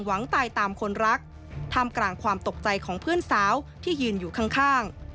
หวังตายตามคนรักท่ามกลางความตกใจของเพื่อนสาวที่ยืนอยู่ข้าง